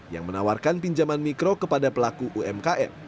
yang menawarkan pinjaman mikro kepada pelaku umkm